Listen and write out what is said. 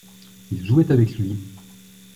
Il jouait avec lui.